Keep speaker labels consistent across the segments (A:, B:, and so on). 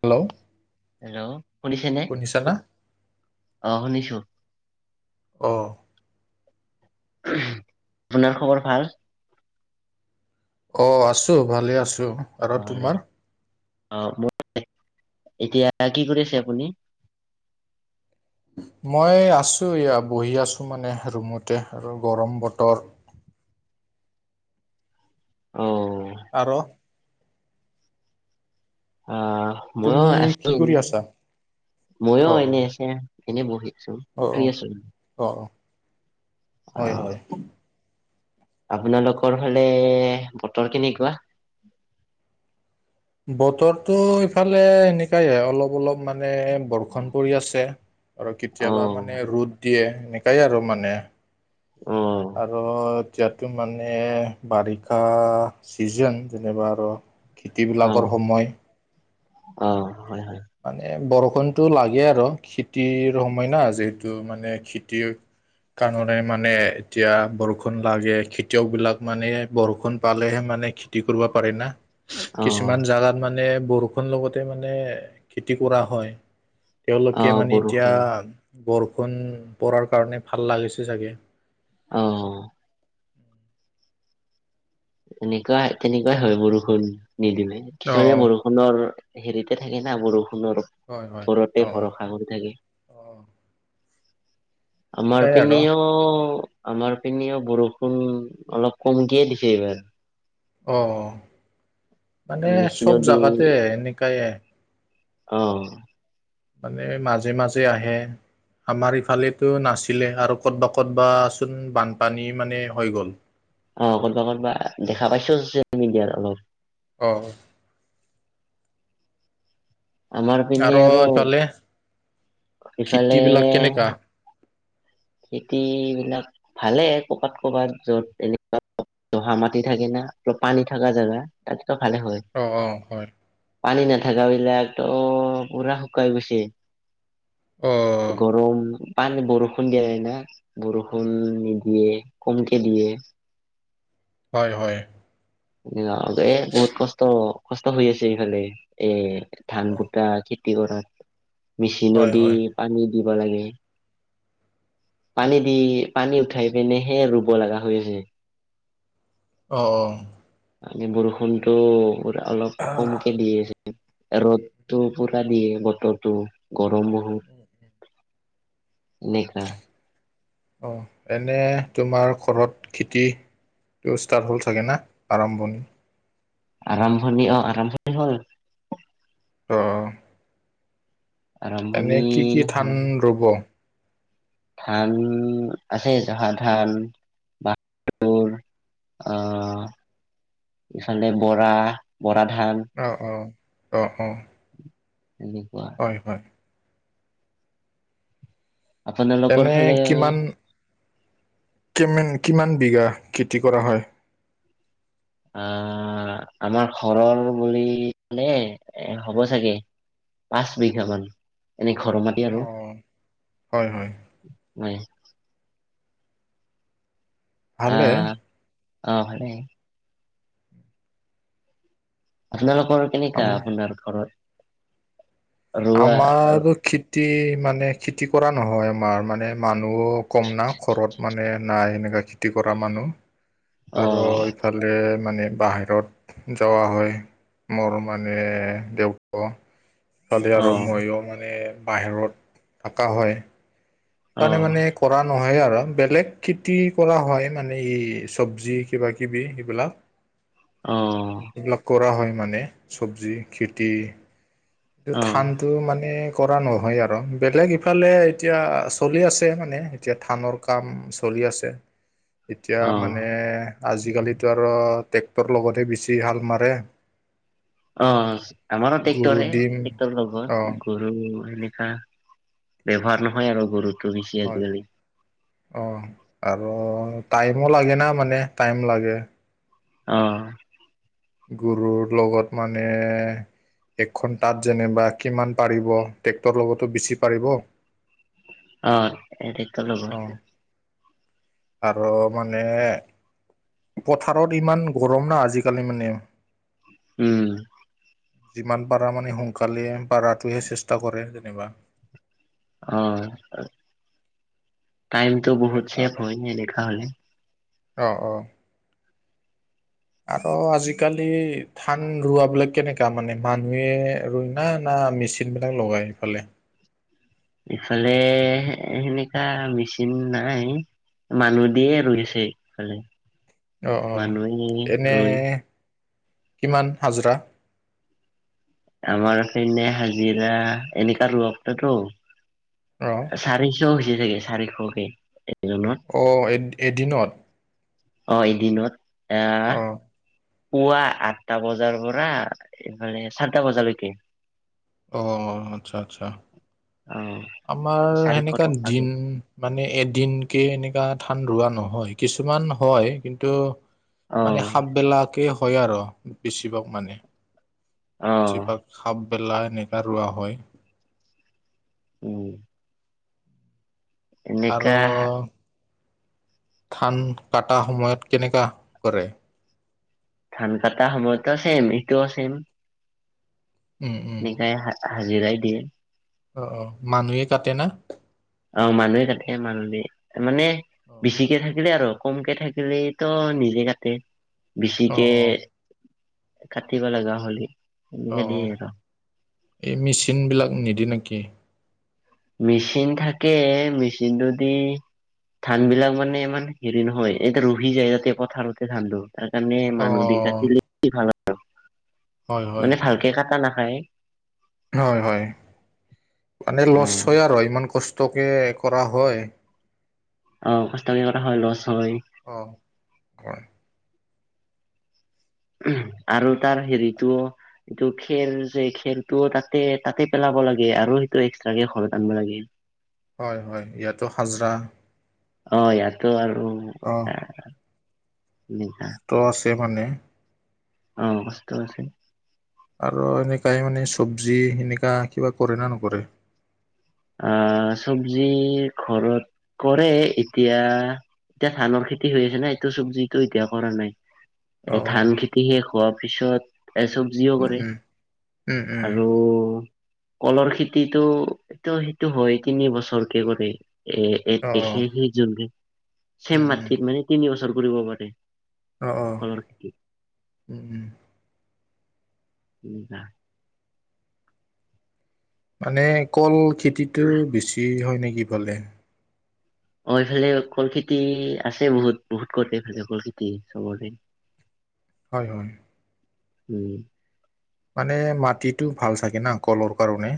A: Hello
B: hello শুনিছেনে অ শুনিছো।
A: অঁ
B: আপোনাৰ খবৰ ভাল।
A: অ আছো ভালে আছো। আৰু
B: অ
A: তোমাৰ
B: অ মোৰ এতিয়া কি কৰি আছে আপুনি?
A: মই আছো এয়া বহি আছো মানে ৰুমতে আৰু গৰম বতৰ।
B: অ
A: আৰু
B: অ মই
A: তুমি কি
B: আছিলো।
A: কৰি আছা
B: মইয়ো
A: অ
B: এনে আছে এনে বহি আছো
A: অ অ
B: শুই আছো।
A: অ
B: অ
A: হয় হয়।
B: আপোনালোকৰ ফালে বতৰ কেনেকুৱা।
A: বতৰটো ইফালে এেনেকাইে অলপ অলপ মানে বৰ- বৰষুণ পৰি আছে আৰু
B: অ
A: কেতিয়াবা মানে দিয়ে সেনেকাই আৰু মানে
B: অ
A: আৰু এতিয়াতো মানে বাৰিষা ছিজন যেনিবা আৰু খেতিবিলাকৰ সময়।
B: অঁ হয় হয়।
A: মানে বৰষুণতটো লাগে আৰ খেতিৰ সময় না যিহেতু মানে খেতি কাৰণে মানে এতিয়া বৰষুণ লাগে। খেতিয়ক বিলাক মানে, বৰষুণ পালেহে মানে খতি কৰিব পাৰে না।
B: অ
A: কিছুমান জাগাত মানে বৰষুণ লগতে মানে খেতি কৰা হয়।
B: অ
A: তেওঁলোকে মানে এতিয়া
B: বৰষুণ
A: বৰষুণ পৰাৰ কাৰণে ভাল লাগিছে চাগে।
B: অঁ। এনেকুৱাই তেনেকুৱাই হয় বৰষুণ নিদিলে
A: অ
B: কিছুমানে
A: অ'
B: বৰষুণ ষুণৰ হেৰিতে থাকে না বৰষুণৰ
A: হয় হয় অ
B: ওপৰতে
A: অ
B: ভৰসা কৰি থাকে।
A: অ
B: আমাৰ
A: সেনেকাই আৰু
B: পেনিও আমাৰ পিনেও বৰষুণ অলপ কমকেই দি এইবাৰ।
A: অঁ মানে চব
B: মেচিনদি
A: জাগাতে এনেকাই
B: অঁ।
A: মানে মাজে মাজে আহে। আমাৰ ইফালেতো নাছিলে আৰু ক'তবা ক'তবা চোন বানপানী মানে হৈ গ'ল।
B: অঁ ক'তবা ক'তবা দেখা পাইছো চচিয়েল মিডিয়াৰ অলপ।
A: অঁ।
B: আমাৰ পিনে
A: আৰু
B: আৰ
A: এইফালে
B: সিফালে
A: খেতিবিলাক কেনেকা?
B: খেতি বিলাক ভালে, কবাত কবাত যত এনেকুৱা দহা মাটি থাকে না আৰ পানী থকা জেগা তাতটো ভালে হয়।
A: অঁ, অঁ হয়।
B: পানী নাথকা বিলাক ত পুৰা শুকাই গৈছে।
A: অ',
B: গৰম পানী বৰষুণ দিয়া যায় না বৰষুণ
A: উম,
B: নিদিয়ে। কমে দিয়ে।
A: হয় হয়।
B: এয়া এ বহুত কষ্ট কষ্ট হৈ আছে এইফালে এ ধান
A: অ',
B: কোটা খেতি কৰা মেচিন
A: হয়,
B: দি
A: হয়।
B: পানী দিব লাগে। পানী দি পানী উঠাই পিনেহে ৰুব লগা হয় যে।
A: অঁ, অঁ।
B: মানে বৰষুণতটো পোৰা অলপ কমকে দিয়ে। ৰ'দটো পুৰা দিয়ে বতৰটো গৰমো হয়। এনেকা।
A: অঁ এনে তোমাৰ ঘৰত খেতি? ব্যবস্থা হ'ল চাগে না আৰম্ভণি?
B: আৰম্ভণি অঁ, আৰম্ভণি হ'ল।
A: অঁ, অঁ,
B: আৰম্ভণি
A: এনেই কি কি ধান
B: হ'ল
A: ৰুব?
B: ধান আছে জহা ধান বাহাদুৰ। আহ ইফালে বৰা, বৰা ধান।
A: অঁ অঁ, অঁ অঁ।
B: সনেকোৱা।
A: হয় হয়।
B: আপোনলোকৰ
A: এনে
B: ফালে আমি
A: কিমান কিমান কিমান বিঘা খেতি কৰা হয়?
B: আ আমাৰ ঘৰৰ বুলি হে এ হ'ব চাগে পাঁচ বিঘা মান এনে ঘৰ মাতি
A: অ
B: আৰু।
A: হয় হয়।
B: হয় অ
A: ভালে
B: অ হ'লে আপোনালোকৰ
A: আম
B: কেনেকা আপোনাৰ ঘৰত? ৰোৱা
A: আমাৰো খেতি মানে খেতি কৰা নহয় আমাৰ মানে মানুহ কম না ঘৰত মানে নাই এনেকা খেতি কৰা মানুহ।
B: অ
A: আৰু ইফালে মানে বাহিৰত যোৱা হয়। মোৰ মানে তেওঁ ক ছোৱালী
B: অ
A: আৰু মইয়ো মানে বাহিৰত থাকা হয়
B: অ
A: সেইকাৰণে মানে কৰা নহয় আৰু বেলেগ খেতি কৰা হয় মানে এই চবজি কিবাকিবি সেইবিলাক।
B: [inaudible]
A: লগ কৰা হয় মানে চবজি খেতি উম
B: অ
A: ধান টো মানে কৰা নহয় আৰু বেলেগ ইফালে এতিয়া চলি আছে মানে। এতিয়া ধানৰ কাম চলি আছে এতিয়া
B: অ
A: মানে আজি-কালিতো আৰু ট্ৰেক্টৰ লগতহে বেছি হাল মাৰে।
B: অ আমাৰো
A: গৰু
B: ট্ৰেক্টৰে
A: দিম
B: ট্ৰেক্টৰ
A: অ
B: লগত গ- উম সেনেকা ব্যৱহাৰ নহয় আৰু গৰুতো বেছি
A: হয়
B: আজি-কালি
A: অ আৰু টাইমো লাগে না মানে টাইম লাগে।
B: অ
A: গৰুৰ লগত মানে একখন তাত যেনিবা কিমান পাৰিব ট্ৰেক্টৰৰ লগতো বেছি পাৰিব
B: অ এৰিকে লব
A: অ আৰু মানে পথাৰত ইমান গৰম না আজি-কালি মানে।
B: উম
A: যিমান পাৰা মানে সোনকালে পাৰাটোয়ে চেষ্টা কৰে যেনিবা
B: অ অ টাইমটো বহুত ছেভ হয় নে নেদেখা হ'লে
A: অ অ
B: [inaudible]
A: আৰু আজি-কালি ধান ৰোৱাবিলাক কেনেকা মানে মানুহে আৰু না না মিচি [unintelligible] লগাই এইফালে।
B: এফালে সেনেকা মেচিন নাই। মানুহ দিয়ে ৰুইছে এইফালে।
A: অ অ এনে
B: ৰুই।
A: কিমান হাজিৰা
B: আমাৰ পিনে হাজিৰা এনেকা লগতে তো
A: অ
B: চাৰিশ হৈছে চাগে চাৰিশকে এজনত
A: অ এত এ এদিনত
B: অ এদিনত এয়াহ
A: অ
B: পুৱা আঠটা বজাৰ পৰা মানে চাৰিটা বজালৈকে
A: অ আচ্ছা আচ্ছা
B: অ
A: আমাৰ
B: চাৰিশ
A: সেনেকা
B: টকাকে
A: দিন মানে এদিনকে এনেকা ধান ৰোৱা নহয় কিছুমান হয় কিন্তু
B: অ
A: মানে সাপবেলাকে হয় আৰু বেছিভাগ মানে
B: অ
A: বেছিভাগ হাফ বেলা এনেকা ৰোৱা হয়
B: উম
A: আৰু
B: এনেকা
A: ধান কটা সময়ত কেনেকুৱা কৰে
B: ধান কটা সময়তো ছেম এইটোও ছেম
A: উম উম
B: এনেকাই হা হাজিৰাই দিয়ে
A: অ অ মানুহে কাটে না
B: অ মানুহে কাটে মানুহ মানে
A: অ
B: বেছিকে থাকিলে আৰু কমকে থাকিলেই তো নিজে কাটে
A: অ
B: বেছিকে কাটিব লাগা হ'লে
A: অ
B: এনেকে
A: অ
B: দিয়ে আৰু
A: এই মেচিনবিলাক নিদি নেকি
B: মেচিন থাকে মেচিনটো দি ধান বিলাক মানে ইমান হেৰি নহয় এতিয়া ৰহি যায় তাতে পথাৰতে ধানটো তাৰ কাৰণে
A: অ
B: মানুহ দি কাটিলে ভাল আৰু
A: হয় হয়
B: মানে ভালকে কাটা নাখায়
A: হয় হয় মানে
B: অ
A: লছ হয় আৰু ইমান কষ্টকে কৰা হয়
B: অ কষ্টকে কৰা হয় লছ হয়
A: অ হয়
B: আৰু তাৰ হেৰিটোও এইটো খেৰ যে খেৰটো তাতে তাতে পেলাব লাগে আৰু সেইটো এক্সট্ৰাকে ঘৰত আনিব লাগে [inaudible]
A: হয় হয় ইয়াতো হাজৰা
B: অ ইয়াতো আৰু
A: অ
B: নিা [unintelligible]
A: ত' আছে মানে
B: অ কষ্ট আছে
A: আৰু এনেকাই মানে চবজি সেনেকা কিবা কৰে নে নকৰে
B: আহ চবজি ঘৰত কৰে এতিয়া এতিয়া ধানৰ খেতি হৈ আছে নাই এইটো চব্জিতটো এতিয়া কৰা নাই এ
A: অ
B: ধান খেতি শেষ হোৱাৰ পিছত চব্জিও
A: উম,
B: কৰে
A: উম, উম,
B: আৰু কলৰ খেতিটো ত সেইটো হয় তিনি বছৰকে কৰে এ এ
A: অ',
B: এশেশি জু ছেম
A: উম, উম,
B: মাটিত মানে তিনি বছৰ কৰিব পাৰে
A: অ অ
B: কলৰ খেতি
A: উম, উম।
B: উ [unintelligible]
A: মানে কল খেতিটো বেছি হয় নেকি সেইফালে
B: অ এইফালে কল খেতি আছে বহুত বহুত কল এইফালে কল খেতি চবৰে [inaudible]
A: হয় হয়
B: উম।
A: মানে মাটিটো ভাল চাগে ন? কলৰ কাৰণে।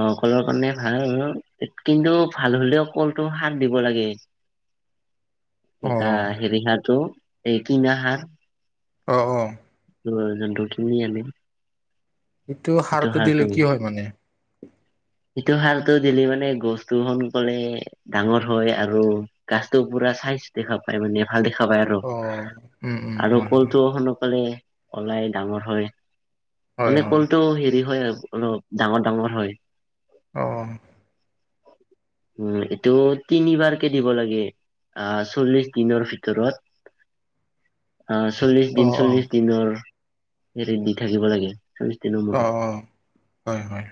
B: অঁ, কলৰ কাৰণে ভাল আৰু কিন্তু ভাল হলেও কলটো সাৰ দিব লাগে। এ
A: অ',
B: হেৰি সাৰটো, এই কিনা সাৰ।
A: অ অ
B: যোনটো কিনি আনিম।
A: এইটো সাৰটো দিলে কি হয় মানে?
B: সেইটো সাৰটো দিলি মানে গছটো সোনকালে ডাঙৰ হয় আৰু গাছটো পুৰা চাইজ দেখা পো পায় মানে ভাল দেখা পায় আৰু,
A: অ', উম, উম,
B: আৰু
A: হয়, হয়,
B: কলটো সনকালে ওলাই ডাঙৰ হয়,
A: হয়,
B: মানে
A: হয়,
B: কলটো হেৰি হয় আৰু অলপ ডাঙৰ ডাঙৰ হয়।
A: অ
B: উম, এইটো তিনিবাৰকে দিব লাগে। আঁহ, চল্লিশ দিনৰ ভিতৰত অ, চল্লিশ দিন,
A: অ', অ',
B: চল্লিশ দিনৰ হেৰি দি থাকিব লাগে। চাবিশ দিনৰ
A: অ',
B: মূৰত,
A: অ', হয়, হয়।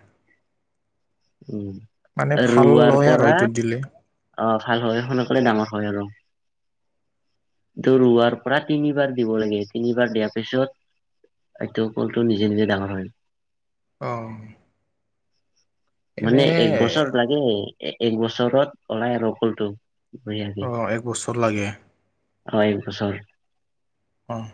B: উম
A: মানে ভাল হয় আৰু এইটো দিলে।
B: অঁ ভাল হয়, সোনকালে ডাঙৰ হয় আৰু। টো ৰোৱাৰ পৰা তিনিবাৰ দিব লাগে, তিনিবাৰ দিয়াৰ পিছত এইটো কলটো নিজে নিজে ডাঙৰ হয়।
A: অ
B: মানে
A: এনে
B: এক বছৰত লাগে। এক বছৰত ওলাই আৰু কলটো।
A: অ, এক বছৰ লাগে।
B: হয় একবছৰ।
A: অঁ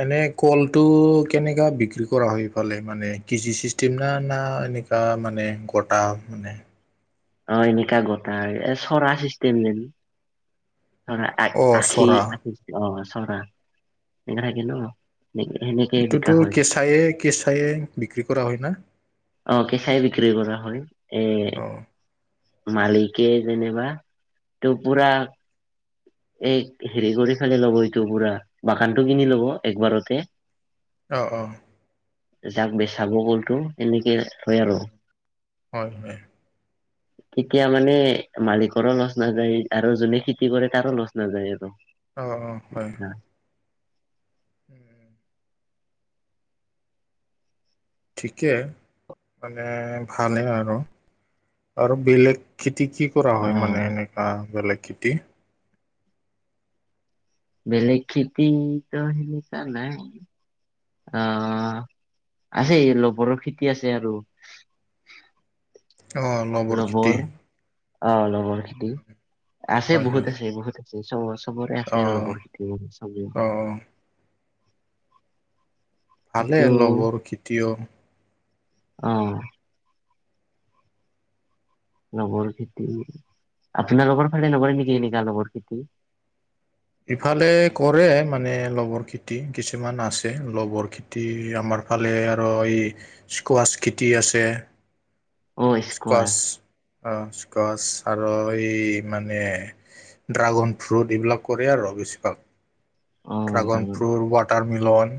A: এনে কলটো কেনেকা বিক্ৰী কৰা হয়? এইফালে মানে কে জি চিষ্টেম না না এনে, তা মানে গটা মানে।
B: অঁ, এনেকা গোটা এ চৰা চিষ্টেম যে। চৰা
A: অ
B: আখি
A: চৰা
B: অঁ, চৰা এক থাকে ন। সেনে সেনেকেই বিকা হয়।
A: কেচাইে বিক্ৰী কৰা হয় ন?
B: অঁ, কেঁচাই বিক্ৰী কৰা হয়, এ
A: অ
B: মালিকে যেনিবা, টো পুৰা এ হেৰি কৰি ফালি ল'ব এইটো পুৰা বাগানটো কিনি ল'ব একবাৰতে। [inaudible]
A: অঁ অঁ
B: যাক বেচাব গলতো এনেকে হয় আৰু।
A: হয় হয়
B: তেতিয়া মানে মালিকৰো লচ নাযায় আৰু যোনে কি কৰে তাৰো লচ নাযায় আৰু।
A: অঁ অঁ হয়। উম, উম। ঠিকে, মানে ভালেই আৰু, আৰু বেলেগ খেতি কি কৰা
B: অ
A: হয়, মানে এনেকুৱা বেলেগ খেতি?
B: বেলেগ খেতি ত হেনকা নাই। আঁ আছে লবৰৰ খেতি আছে আৰু।
A: অঁ
B: লবৰ অঁ লবৰ খেতি আছে
A: হয় হয়
B: বহুত আছে, বহুত আছে। চবৰে
A: অ
B: আছে লোকৰ খতি চাগে
A: অ ভালে
B: সেইটো
A: লগৰ খেতিয়ও
B: অ লগৰ খেতি আপোনাৰ লোকৰ ফালেনকৰে নকি? এনকা লগৰ খেতি
A: ইফালে কৰে মানে লগৰ খেতি, কিছুমান আছে লগৰ খেতি খেতি আমাৰ ফালে আৰু এই স্কোৱাছ খেতি আছে
B: অ
A: স্কোৱাছ
B: স্কোৱাৰ
A: স্কচ আৰু এই মানে, ড্ৰাগন ফ্ৰুট এইবিলাক কৰে আৰু বেছিভাগ
B: অ
A: ড্ৰাগন
B: ডাঙৰ
A: ফ্ৰুট, ৱাটাৰ মিলন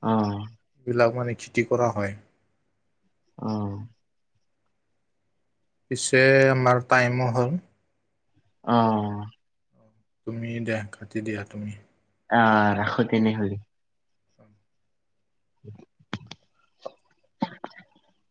B: অ
A: এই বিলাক মানে খেতি কৰা হয়
B: অ
A: পিছে আমাৰ টাইমো হ'ল।
B: অ
A: তুমি দিয়া, কাটি দিয়া তুমি।
B: অ ৰাখো তেনেহলে। [inaudible]